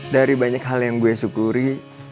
dari banyak hal yang gue syukuri